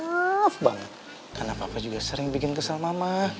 maaf banget karena papa juga sering bikin kesel mama